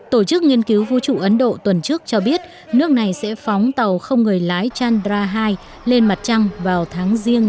tổ chức nghiên cứu vũ trụ ấn độ tuần trước cho biết nước này sẽ phóng tàu không người lái chandra hai lên mặt trăng vào tháng riêng